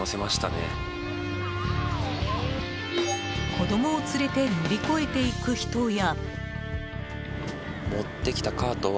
子供を連れて乗り越えていく人や。